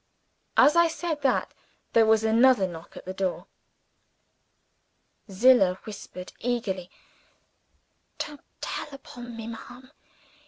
As I said that, there was another knock at the door. Zillah whispered, eagerly, "Don't tell upon me, ma'am!